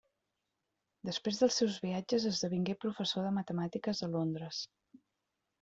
Després dels seus viatges esdevingué professor de matemàtiques a Londres.